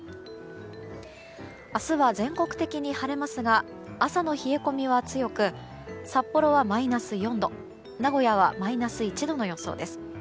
明日は全国的に晴れますが朝の冷え込みは強く札幌はマイナス４度名古屋はマイナス１度の予想です。